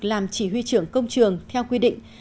làm chỉ huy trưởng công trường theo quy định